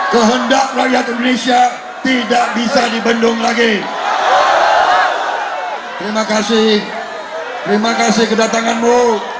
kehendak rakyat indonesia tidak bisa dibendung lagi terima kasih terima kasih kedatanganmu